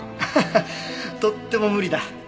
ハハハッとっても無理だ。